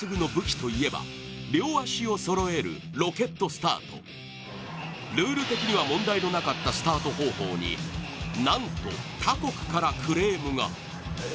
実はこのときルール的には問題のなかったスタート方法になんと、他国からクレームが。